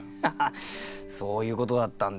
そういうことだったんですね。